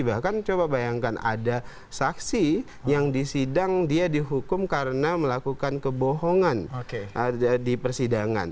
bahkan coba bayangkan ada saksi yang disidang dia dihukum karena melakukan kebohongan di persidangan